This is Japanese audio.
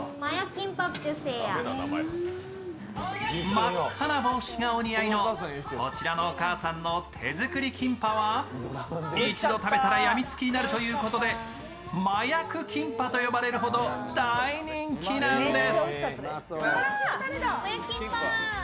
真っ赤な帽子がお似合いの、こちらのお母さんの手作りキンパは一度食べたらやみつきになるということで、麻薬キンパと呼ばれるほど大人気なんです。